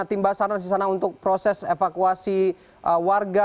tim basarnas di sana untuk proses evakuasi warga